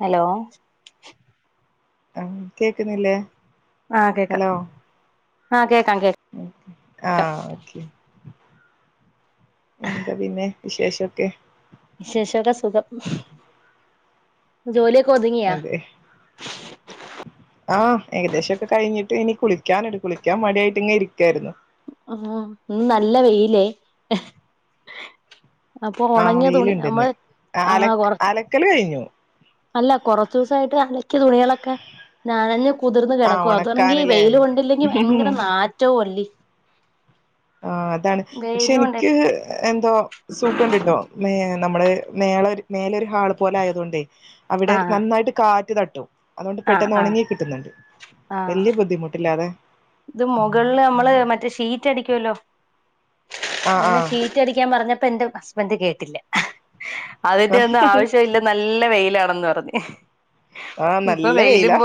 Hello ആഹ കേക്കുന്നില്ലേ ആഹ കേക്കാം ആ ആഹ ഓക്കെ എന്താ പിന്നെ വിശേഷൊക്കെ വിശേഷമൊക്കെ സുഖം ജോലി ഒതുങ്ങിയോ ആ് ഏകദേശംൊക്കെ കഴിഞ്ഞിട്ട് ഇനി കുളിക്കാനി കുളിക്കാൻ മടിയായിട്ട് ഇങ്ങെ ഇരിക്കായിരുന്നു ആഹ ഒന്ന് നല്ല വെയിലേ അപ്പൊ ആഹ് ഉണങ്ങിയ തുണി വെയിലുണ്ടിന്ന് നമ്മള് അല അലക്കല് കഴിഞ്ഞു കൊറച്ച ദിവസയിട്ട് അലക്കിയ തുണികള നാനന്നെ [unintelligible] കുതിർന്ന് ആഹ് കിടക്കും അതാണെങ്കിൽ ഒണക്കാന്ല്ലേ വെയിൽ കൊണ്ടില്ലെങ്കിൽ ഭയങ്കര നാറ്റവുംഅല്ലേ ആ് അതാണ് പക്ഷെ വെയിലും ഉണ്ട് എനിക്ക് എന്തോ സുഖണ്ടിട്ടോ മ നമ്മള് മേല ആൾ പോല ആയതു കൊണ്ടേ അവിടെ ആഹ് നന്നായിട്ട് കാ തട്ടു അതുകൊണ്ട് ആഹ് പെട്ടെന്ന് ആഹ് ഉണങ്ങി കിട്ടുന്നുണ്ട് ആഹ് വലിയ ബുദ്ധിമുട്ടില്ല അതെ ഇത് മുകളില് നമ്മള് മറ്റേ ഷീറ്റ് അടിക്കുമല്ലോ ആഹ് അങ്ങനെ ആഹ് ഷിറ്റ് അടിക്കാൻപറഞ്ഞപ്പ എന്റെ ഹസ്ബൻഡ്കേട്ടില്ല അതിന്റെ ഒന്നും ആവശ്യവില്ല നല്ലവെയിലാ ന്നറഞ്ഞ് ആ നല്ല വെയിലാ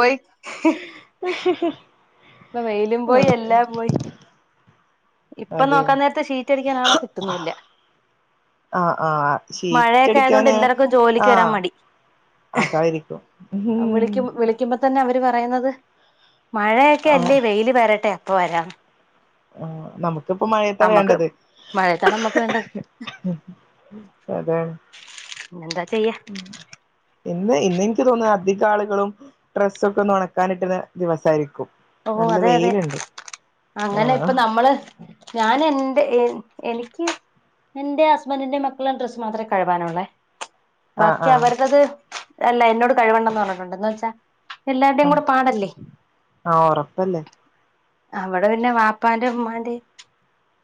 ഇപ്പ വെയിലുംപോയി അതെ എല്ലാംപോയി ഇപ്പൊ അതെ നോക്കാന്നേരത്ത് ഷീറ്റടിക്കാൻ ആളെ കിട്ടുന്നൂല്ല ആഹ് ആഹ് മഴയൊക്കെ ആയതോണ്ട് ഷീറ്റടിക്കാന് എല്ലാർക്കും ആഹ് ജോലിക്കരാൻ മടി അതായിരിക്കും ഉം വിളിക്ക് വിളിക്കുമ്പ- തന്നെവര് പറയുന്നത് മഴയ- ക്കല്ലേ വെയില് വരട്ടെ പ്പൊവരാം ആ നമക്കിപ്പൊ മയത്താ നമ്മക്ക് വേണ്ടത് മഴയത്താണ് നമ്മക്ക് വേണ്ടത് അതെ പിന്നെന്താ ചെയ്യാ ഉം ഇന്ന് ഇന്നെനി- നിക്ക് തോന്നത് അധികാളുകളും ഡ്രസ്സൊക്കെ ഒന്ന് ഒണക്കാനിട്ടത് ദിവസാരിക്കും ഓ അതെ അതെ അങ്ങനെ ആഹ് ഇപ്പൊ നമ്മള് ഞാൻ എന്റെ എനിക്ക് എന്റേ ഹസ്ബൻഡിന്റേം മക്കൾടെ ഡ്രസ്സ്മാത്രെ കഴുവാനുള്ളേ ആഹ് ബാക്കി ആഹ് അവർടത് അല്ല എന്നോട് കഴിവണ്ടന്ന്പറഞ്ഞിട്ടൊണ്ട് എന്ന് വച്ചാ എല്ലാർടേം കൂടെപാടല്ലേ ആ ഒറപ്പല്ലേ അവടെ പിന്നെ വാപ്പാന്റേം ഉമ്മാന്റേം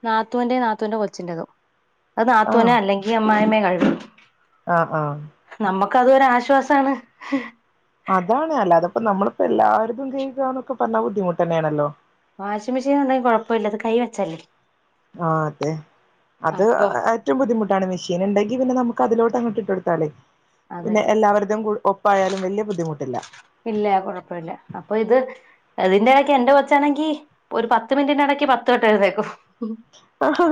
നാത്തൂന്റേം നാത്തൂന്റെകൊച്ചിറ്റെതും അത് നാത്തൂനൊ അല്ലെങ്കി അമ്മായിമ്മ കഴു ആ ആ കതൊരുശ്വാസാണ് അതാണ് അല്ലാതപ്പ നമ്മളിപ്പോ എല്ലാർക്കും കഴിക്കാന്നൊക്കെപറഞ്ഞാ ബുദ്ധിമുട്ട് തന്നേണല്ലോ വാഷിംമെഷീൻ ഒണ്ടെങ്കി കൊഴപ്പില്ല ഇത് കൈവെച്ചല്ലേ ആ അതെ അത് ഏറ്റോം ബുദ്ധിമുട്ടാണ് മെഷീൻ ഇണ്ടെങ്കി പിന്നെ നമുക്ക് അതിലോട്ട് അങ്ങട്ട് ട്ടൊടുത്താലെ അതെ പിന്നെ എല്ലാവരതുംകു ഒപ്പായാലും വല്യ ബുദ്ധിമുട്ട ട്ടില്ല ഇല്ല കൊഴപ്പില്ല അപ്പൊ ഇത് അതിന്റെടയ്ക്ക് എന്റെകൊച്ചാണെങ്കി ഒരു പത്ത് മിനിറ്റിനെടയ്ക്ക് ഒരുപത്ത് വട്ടം എഴുന്നേക്കും അത്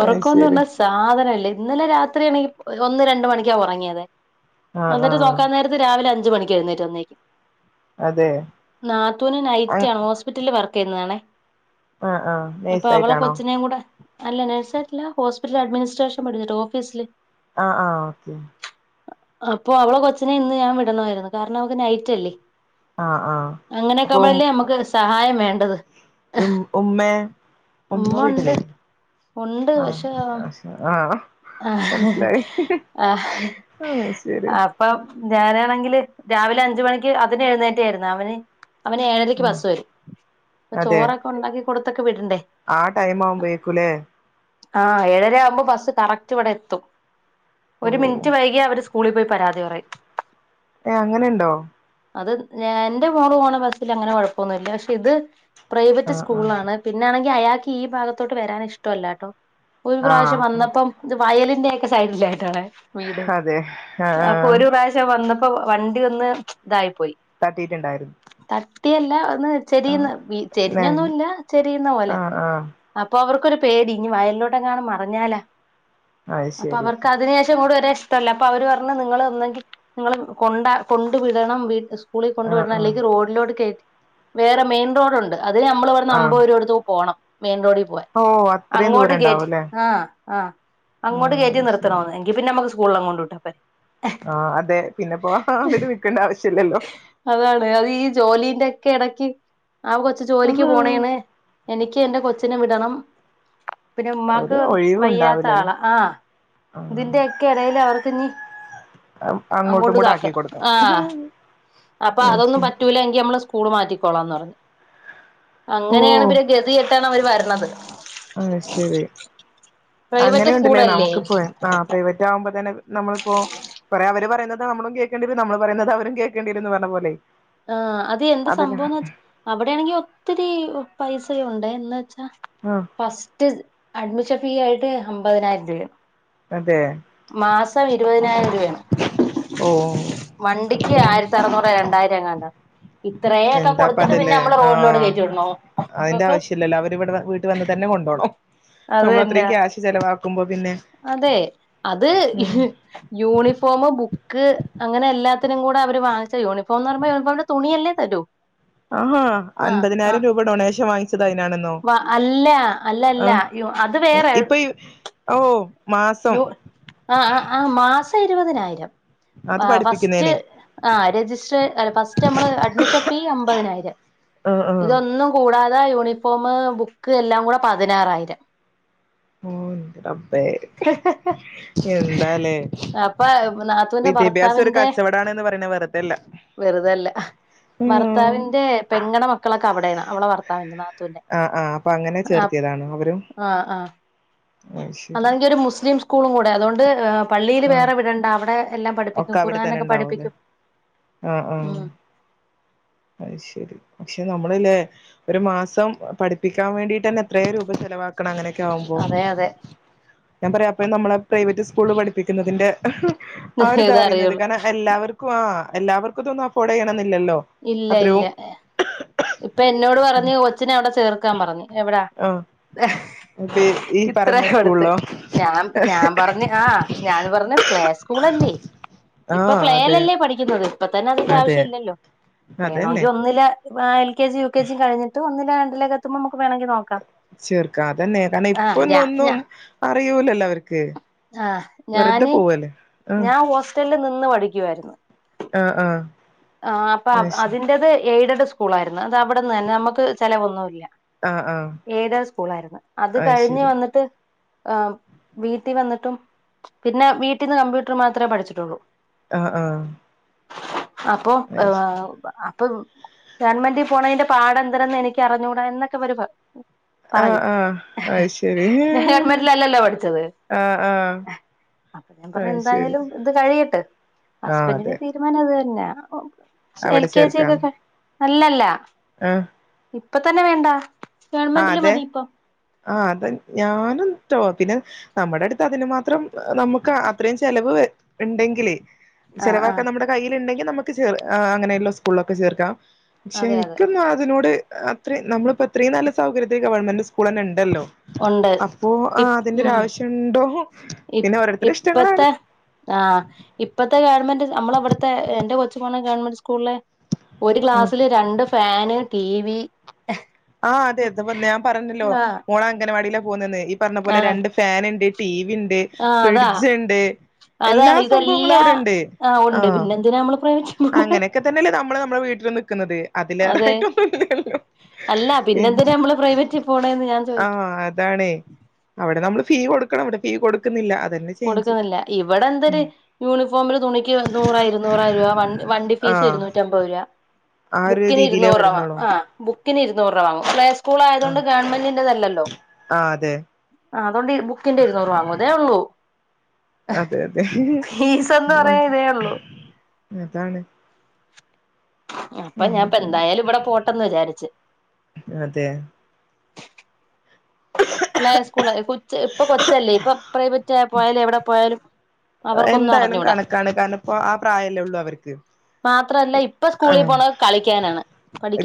ഒറക്കോന്ന് ശരി പറഞ്ഞ സാധനംഇല്ലേ ഇന്നലെ രാത്രിയണെങ്കി ഒന്ന് രണ്ട് മണിക്കാ ഒറങ്ങിയതെ ആഹ് വന്നിട്ട് ആഹ് നോക്കാന്നേരത്ത് രാവിലെ അഞ്ച്- അഞ്ച് മണിക്കു എഴുന്നേറ്റന്നരിക്കും അതെ നാത്തൂന് നൈറ്റ് ആഹ് ആണ് ഹോസ്പിറ്റല വർക്ക് ക്കെന്നാണ് ആഹ് അപ്പൊ അവളെ നൈസായിട്ടാണോ കൊച്ചനേയും കൂടെ അല്ല നഴസരിട്ട ഹോസ്പിറ്റല അഡ്മിനിസ്ട്രേഷൻ പഠഞ്ഞിട്ട് ഓഫീസില് ആ ആ ഓക്കെ അപ്പൊ അവളെ കൊച്ചിനെ ഇന്ന് ഞാൻ വിടണമായിരുന്നു കാരണം അവക്ക് നൈറ്റല്ലേ ആഹ് ആഹ് അങ്ങനെൊക്കെ്പഴല്ലേ നമുക്ക് സഹായം വേണം ണ്ടത് ഉ ഉമ്മ ഉമ്മ വീട്ടില ഉണ്ട് ആ പക്ഷെ ആ മനസിലായി ആ ആ ശരി ഞാനണെങ്കില് രാവിലെ അഞ്ച മണിക്ക് അതിന എഴുന്നേറ്റായിരുന്നു അവന് അവന് ഏഴരക്ക് ആഹ് ബസ് വരും അപ്പൊ അതെ ചോറൊക്കെ ഉണ്ടാക്കി കൊടുത്ത ആ ടൈം ആവുമ്പോയേക്കൂലേ ആ് ഏഴര ആവുമ്പോ ബസ്സ് കറക്റ്റ് ഇവിടെ എത്തും ഓ ഒരു മിനിറ്റ് വൈകി അവര് സ്കൂളിൽ പോയി പരാതി പറയും ഏ അങ്ങനെുണ്ടോ അത് എൻന്റെ മോള പോണ ബസ്സിൽ അങ്ങനെ കുഴപ്പമൊന്നുമില്ല പക്ഷെ ഇത് പ്രൈവറ്റ് ആഹ് സ്കൂൾ ആഹ് ആണ് പിന്നെ ആണെങ്കിൽ അയാൾക്ക് ഈ ഭാഗത്തോട്ട് വരാൻ ഇഷ്ടമല്ലാട്ടോ ഒരു ആഹ് പ്രാവശ്യം വന്നപ്പം വയല ലിന്റെ ഒക്കെ സൈഡില ആായിതാണ് വീട് അതെ അപ്പൊ ആഹ് ഒരു പ്രാവശ്യം വന്നപ്പോ ഇപ്പൊ വണ്ടി ഒന്ന് ഇതായി തട്ടിട്ടുണ്ടായിരുന്നു യല്ല ചെരി ചരിഞ്ഞൊന്നുംല്ല ചെരിയുന്ന ആ പോലെ ആ അപ്പൊ അവർക്കരു പേടി ഇനി വയലിലോട്ടൊങ്ങാനും മറഞ്ഞാലാ അത് അപ്പൊ ശരി അവർക്ക് അതിനന് ശേഷം കൂടെ വരെ ഇ അപ്പൊ അവര് പറഞ്ഞ നിങ്ങ ഒന്നെങ്കിൽ നിങ്ങ കൊണ്ട കൊണ്ടു വിടണം വീ സ്കൂളിൽ ആ കൊണ്ടവിടെണം ആ അല്ലെങ്കിൽ റോഡിലോട് കേട്ട വേറെ മെയിൻ റോഡ് ഉണ്ട് അത് നമ്മള് ഇവിടന് ആ അമ്പരൂബ കൊടുത്തു പോകണം മെയിൻ റോഡി പോവാൻ ഓ അത്രയും അങ്ങോട്ട് ദൂരം കേറ്റി ഉണ്ടാവുംല്ലേ ആ ആ ആ അങ്ങോട്ട് അത് കയറ്റി ശരി നിർത്തണന്ന് എങ്കി പിന്നെ നമുക്ക് സ് [unintelligible] ആ അതെ പി ന്ന പോക ഹ പിനെ വിക്കണ്ട ആവശ്യ അതാണ് അത് ഈ ജോലി ഇതൊക്കെ എടക്ക് അ കൊച്ചു ജോലിക്ക് ആഹാ പോണേണ് എനിക്ക് ക്ക് എന്റെ കൊച്ചിനെ വിടണം പിന്നെ ഒരു ഉമ്മാക്ക് ഒഴിവും വയ്യാത്ത ഉണ്ടാവില്ലല്ലേ ആള ആ ആ ഇതിന്റെ എക്കെ ഇടെല് അവർക്ക് ഇനി അം അങ്ങോട്ടും അങ്ങോട്ട് കൂടെ ആക്കി ഇതാക്കണം കൊടുക്കണം ആഹ് അപ്പൊ അതൊന്നും പറ്റൂലെങ്കിൽ നമ്മള് സ്കൂൾ മാറ്റിക്കും കൊള്ളാന്ന് പറഞ്ഞ് ഓ അങ്ങനെയാണ് പിന്നെ ഗതി കെട്ടാണ് അവര് വരണത് ആ ശരി പ്രൈവറ്റ് അങ്ങനെയുണ്ടല്ലേ സ്കൂളല്ലേ നമുക്ക് പോയി ആ പ്രൈവറ്റ് ആകുമ്പോ തന്നെ നമ്മളിപ്പോ കുറേ അവര് പറയുന്നത് നമ്മളും കേക്കേണ്ടി വരും നമ്മള് പറയുന്നത് അവരും കേക്കേണ്ടി വരുന്ന് പറഞ്ഞ പോലെ ആ അത് എന്ത് അതല്ല സംഭവംന് വച്ചാ അവിടെയാണെങ്കിൽ ഒത്തിരി പൈസ [unintelligible] ഉണ്ടെ എന്ന് വെച്ച് ആ ഫസ്റ്റ് അഡ്മി ഷൻ ഫീ ആയിട്ട് അമ്പതിനായിരം രൂപയാവും [inaudible] മാസം ഇരുപതിനായിരം രൂപയാണ് ഓ വണ്ടിക്ക് ആയിരത്തി അറ്നൂറ് രണ്ടായിരം എങ്ങാണ്ടാ ഇത്രയൊക്കെ എന്താപ്പ കൊടുത്തിട്ട് പിന്നെ അതല്ലേ നമ്മള് ആ റോഡിലോട്ട് കയറ്റി വിടണോ അതിന്റെ ആവശ്യില്ലല്ലോ അവര് ഇവിടെ വീട്ടി വന്ന് തന്നെ കൊണ്ടോണം അത് നമ്മള തന്നെ അത്രയും ക്യാഷ് ചെലവാക്ക അതെ അത് ഉം യൂണിഫോമ് ബുക് ക്ക് അങ്ങനെ എല്ലാത്തിനും കൂടെ അവര് വാങ്ങിച്ച യൂണിഫോം എന്ന് പറയുമ്പോ യൂണിഫോമിന്റെ തുണിയല്ലേ തരൂ ആ ആഹ് അൻപതിനായിരം ആഹ് രൂപ ഡൊണേഷൻ വാങ്ങി വ അല്ല അല്ല അല്ല ആഹ് യൊ അത് വേറെ ഇപ്പൊ ഈ ഓ മാസം യു ആ ആ അ മാസ് ഇരുപതിനായിരം അത് ആ ഫസ്റ്റ് പഠിപ്പിക്കുന്നേന് ആ രജിസ്റ്റർ ഫസ്റ്റ് നമ്മള് അഡ്മിഷൻ ഫീ അമ്പതിനായിരം ആഹ് ആഹ് ഇതൊന്നും കൂടാത് ത യൂണിഫോം ബുക്ക് എല്ലാം കൂടെ പതിനാറായിരം. ഓ എന്താലേ അപ്പ നാത്തുവിന്റെ വിദ്യാഭ്യാസം ഒരു ഭർത്താവിന്റെ കച്ചവടാണ്ന്ന് പറയണ വെറുതെല്ല വെറുതല്ല ഭർത്താവിന്റെ പെങ്ങടെ മക്കളൊക്കെ അവിടെയണ അവളെ ഭർത്താവിൻ ആഹ് ആഹ് അപ്പൊ അങ്ങനെ ചേർത്തിയതാണോ അവരും. അയ്ശരി അല്ലെങ്കിൽ ഒരു മുസ്ലിം സ്കൂളും കൂടെ അതുകൊണ്ട് പള്ളിൽ ആഹ് വേറെ വിടെണ്ട അവിടെ എല്ലാം ഒക്കെ പഠിപ്പിക്കും അവിടെ തന്നെ ഖുറാനൊക്കെ ഇണ്ടാവൂല്ലേ പഠിപ്പിക്കും ഉ അ ശരി പക്ഷെ നമ്മളല്ലേ ഒരു മാസം പഠിപ്പിക്കാൻ വേണ്ടിട്ട് തന്നെ എത്രയും രൂപ ചെലവാക്കണം അങ്ങനെ ഒക്ക ആവുമ്പോ അതെ അതെ ഞാൻ പറയാം അപ്പം നമ്മളെ പ്രൈവറ്റ് സ്കൂളിൽ പഠിപ്പിക്കുന്നതിൻ്റെ ആർ ഇതാ അറിയുന്നത് ഇതറിയുള്ളൂ കാരണം എല്ലാവർക്കും ആ എല്ലാവർക്കും ഇതൊന്നും അഫൊർഡ് ചെയ്യണന്നില്ലല്ലോ ഇല്ല ഇല്ല ഏ ഇപ്പൊ എന്നോട് പറഞ്ഞു കൊച്ചിനെ അവിടെ ചേർക്കാ പറഞ്ഞ് എവിടാ ആ ഇത് ഈ പറഞ്ഞ ഇത്രയാ അടുത്ത് സ്കൂളിലോ ഞാൻ ഞാൻ പറഞ്ഞ് ആ ഞാൻ പറഞ്ഞ് പ്ലേ സ്കൂളല്ലേ ആ ഇപ്പൊ അതെ പ്ലേലല്ലേ പഠിക്കുന്നത്. അപ്പ തന്ന അ അതെ ആവ്യം ഇല്ലോ പി നോങ്കി അതന്നെ ഒന്നില് ആ L K G U K G കഴിട്ട് ഒന്നില രണ്ടേക്കത്തുമ്പോ വേണെങ്കി നമുക്ക് നോക്കാം ചേർക്ക അതന്നെയ കാരണം ആഹ് ഞാ ഇപ്പൊന്നൊന്നും ഞാ അറിയൂലല്ലോ അവർക്ക് ആഹ് വെറുതെ പോവല്ലേ ആ ന്ന് പഠിക്കുായിരുന്നു ആഹ് ആഹ് ആ അപ്പൊ അതിന്റത് എയ്ഡ് സ്കൂൾ ആയിരുന്നു അത് അവിടെന്ന് തന്നെ നമുക്ക് ചിലവ ഒന്നുമല്ല ആ ആ ഏത സ്കൂള ആായിരുന്നു അത് കഴിഞ്ഞ് വന്നിട്ട് ആ വീട്ടിൽ വന്നിട്ടും പിന്നെ വീട്ടിൽന്ന് കമ്പ്യൂട്ടർ മാത്രമേ പഠിച്ചിട്ടുള്ളൂ ആഹ് ആഹ് അപ്പൊ അയ് ശ അപ്പം ഗവൺമെന്റ് പോണതിന്റെ പാട എന്തരെന്ന് എനിക്ക് അറിഞ്ഞുകൂടാ എന്നൊക്കെ വരു ആഹ് പറയും ആഹ് അയ് ശരി ഞാൻ ആഹ് ഗവൺമെന്റിലല്ലല്ലോ പഠിച്ചത് ആഹ് അപ്പൊ ഞാൻ പറഞ്ഞു അയ് ശരി എന്തായാലും ഇത് കഴിയട്ടെ ആഹ് അതെ ഹസ്ബന്റിന്റെ തീരുമാനം അത് പിന്നെ ഓ എൽ കെ ജി ഒക്കെ അല്ലല്ല ഉം ഇപ്പൊത്തന്നെ വേണ്ട ആ ഗവൺമെന്റില് അതെ മതി ഇപ്പൊ ആ അതെ ഞാനും ചോ പിന്നെ നമ്മുടെ അടുത്ത് അതിന് മാത്രം നമുക്ക് അത്രയും ചെലവ് ണ്ടെങ്കിലേ ആഹ് ചെലവാക്കാൻ ആഹ് നമ്മുടെ കയ്യില്ണ്ടെങ്കി യ നമുക്ക് ചേർ അ അങ്ങെയുള്ള സ്കൂിലൊക്കെ ചേർക്കാം ക്ഷേ അതെ അതെ നിക്കൊന്നും അതിനോട് അത്രി നമ്മളിപ്പൊത്രി നല്ലത് സൗകര്യത്തിന് ഗവൺെന്റ്സ്കൂളെന്നെണ്ടല്ലോ ഒണ്ട് ഇപ്പ് മ്മ് ആവശ്യം ഉണ്ടോ ഇപ് പിന്നെ ഓരോരുത്തരുടെ ഇഷ്ടങ്ങളാണ് ഇപ്പത്തെ ആ ഇപ്പത്തെ ഗവൺമെന്റ് നമ്മളവിടുത്തെ എന്റെ കൊച്ചു പോണ് ഗവൺമെന്റ് സ്കൂളിലെ ഒരു ആ ഗ്ലാസ്സില് രണ്ട് ഫാന് ടി വി ആ അതെ അത് പിന്നെ ഞാൻ പറേണ്ടല്ലോ ആഹ് മോളെ അംഗൻവാടില് പോന്നെന്നെ പറഞ്ഞ പോലെ ആഹ് രണ്ട് ഫാന്ണ്ട് ടി വി വി ണ്ട് അതാ ഫ്രിഡ്ജ്ണ്ട് എല്ലാ അതാണ് സംഭവങ്ങളും ഇതെല്ലാ അവിടെണ്ട് ആഹ് ആ ഉണ്ട് പിന്നെന്തിനാ നമ്മള് പ്രൈവറ്റിൽ പോണെ അങ്ങനെക്കെ തന്നെല്ലേ നമ്മള് മ്മള വീട്ടില്നിക് ക്ക്ന്നത് അതെ അതിലേറായിട്ട [unintelligible] അല്ല പിൻ പിന്നെന്തിനാ നമ്മള് പ്രൈവറ്റിൽ പോണേന്ന് ഞാൻ ആ ചോദിക്ക അതാണ് അവിടെ നമ്മള് ഫീ. കൊടുക്കണം ഇവിടെ ഫീ കൊടുക്കുന്നില്ല അ കൊടുക്കുന്നില്ല ഇവിടെ എന്തരു യൂണിഫോമില് തുണിക്ക് നൂറോയിരുനൂറോ രൂപ വണ്ടി വണ്ടി ഫീസ് ആഹ് ഇരുന്നൂറ്റമ്പത് രൂപ ആ ഒരു ബുക്കിന് രീതിയിലേ ഇരുനൂറ് രൂപ വരുന്നുള്ളൂ ആ ബു ക്കിന് ഇുന്നൂറ് രൂപ വാങ്ങും പ്ലേസ് സ്കൂളായതൊണ്ട് ആഹ് ഗവൺമെന്റിന്റെതല്ലല്ലോ ആഹ് അതെ ആ അതുകൊണ്ട് ബുക്കിന്റെ ഇരുന്നൂറ് വാങ്ങും അതേ ഒള്ളൂ അതെ അതെ എന്ന് പറയാൻ ഇതേ ഉള്ളൂ അതാണ് അപ്പൊ ഞാപ്പെന്തായാലും ഇവടെ പോട്ടെന്ന് വിചാരിച്ച് അതെ പ്ലേ സ്കൂള് കൊച്ച് ഇപ്പൊ കൊച്ചല്ലേ ഇപ്പൊ പ്രൈവറ്റായാ പോയാലും എവിടെ പോയാലും അവർക്കൊന്നും എന്തായാലും അറിഞ്ഞൂടാ കണക്കാണ് കാരണം ഇപ്പോ ആ പ്രായല്ലെള്ളൂ അവർക്ക് മാത്രല്ല ഇപ്പൊ ആ സ്കൂളിൽ പോണത് കളിക്കാനാണ്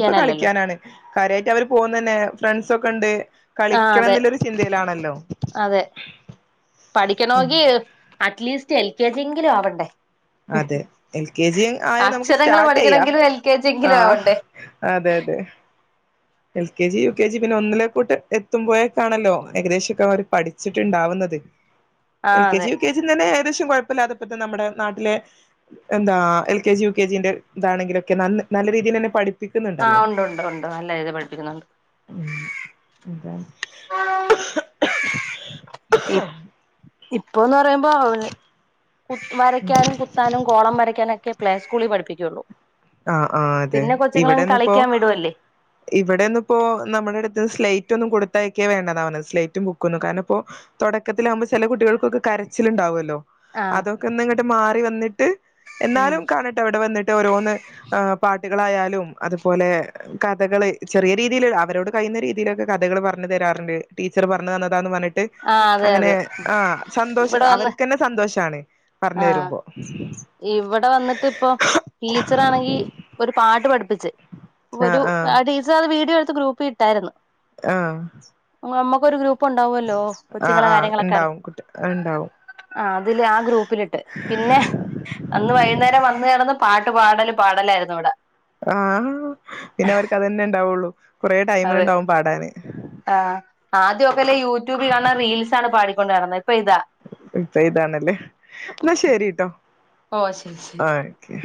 ഇപ്പൊ കളിക്കാനാണ് കാര്യായിട്ട് അവര് പോകുന്നന്നെ ഫ്രണ്ട്സൊക്കെണ്ട് ആ അതെ അതെ പഠിക്കണമെങ്കി at least L K G എങ്കിലും ആവണ്ടേ അതെ എൽ കെ ജി ആയാ നമുക്ക് അക്ഷരങ്ങള് സ്റ്റാർട്ട് ചെയ്യാ പഠിക്കണെങ്കിലും എൽ കെ ജി ആ എങ്കിലും ആവണ്ടേ അതെ അതെ L K G U K G പിന്നെ ഒന്നിലേ കൂട്ട് എത്തുമ്പോയേക്കാണല്ലോ ഏകദേശൊക്കെ അവര് പഠിച്ചിട്ടുണ്ടാവുന്നത് എൽ ആഹ് കെ ജി അതെ യു കെജി തന്നെ ഏകദേശം കുഴപ്പല്ലാത്തപ്പോ നമ്മുടെ നാട്ടിലെ എന്താ L K G U K ജിന്റെ ഇതാണെങ്കിലൊക്കെ നല്ല രീതിയിൽ തന്നെ പഠി ആഹ് ഉണ്ട് ഉണ്ട് ഉണ്ട് നല്ല ഇത് പ ക്കുന്നുണ്ട് അത ഇപ് ഇപ്പം ന്ന് പറയുമ്പോ അവല് കു ഉം വരയ്ക്കാനും കുത്താനും ഗോളം വരയ്ക്കാനൊക്കെ പ്ലേക്സ്കൂളിൽ പഠിപ്പിക്കയുള്ളൂ ആ ആഹ് അതെ ഇവിടെന്നിപ്പോ കളിക്കാൻ വിടുവല്ലേ ഇവിടെന്നിപ്പോ നമ്മുടെ അടുത്ത് സ്ലൈ റ്റൊന്നും കൊടുത്തയക്കേ വേണ്ടന്നാ പറഞേസ്ലേറ്റും ബുക്കൊന്നും കാരണം ഇപ്പോൾ തൊടക്കത്തിലാവുമ്പോ ചെല കുട്ടികൾക്കൊക്കെ കരച്ചിലുണ്ടാവുല്ലോ ആഹ് അതൊക്കെ ഒന്ന് ഇങ്ങട്ട് മാറി വന്നി എന്നാലും കാണട്ടെ അവിടെ വന്നിട്ട് ഓരോന്ന് ആഹ് പാ കഥകളായാലും അതുപോലെ കഥകള് ചെറിയ രീതിൽ അവരോട് കഴിയുന്ന രീതിയിലൊക്കെ കഥകൾ പറഞ്ഞു തരാറുണ്ട് ടീച്ചർ പറഞ്ഞു തന്നതാന്ന് പറഞ്ഞിട്ട് അതെ അങ്ങനെ അതെ ആഹ് സന്തോഷ ഇവിടെ വന്ന് അവർക്ക്ന്നെ സന്തോഷാണ് ആഹ് പറഞ്ഞെരുമ്പോ ച്ചറാണെങ്കി ഒരു പാട്ട് പഠി പ്പിച്ച് ഒരു ആഹ് ആഹ് ടീച്ചർ അത് വീഡിയോ എ ഗ്രൂപ്പിലിട്ടായിരുന്നു ആഹ് മമ്മക്കൊരു ഗ്രൂപ്പ് ണ്ടാവും ആഹ് കൊച്ചുങ്ങളെ ആഹ് കാര്യങ്ങളൊക്കെ അറി ഇണ്ടാവും കുട്ടി ഇണ്ടാവും ആ അതില് ആ ഗ്രൂപ്പിലിട്ട് പിന്നെ അന്ന് വൈകുന്നേരം വന്ന് നടന്ന് പാട്ട് പാടലും പാടലായിരുന്നു ഇവിടെ ആ പിന്നെ അവർക്ക് അതെന്നെ ണ്ടാവുള്ളൂ കുറേ ടൈമിന്ണ്ടാവും പാടാന് ആദ്യ ല യൂട്യൂബ് കാണുന്ന റീൽസാണ് പാടി കൊണ്ടര്ന്ന ഇപ്പ ഇതാണല്ലേ എന്നാ ശരിട്ടോ ഓ ശരി ശരി ആ ഓക്കെ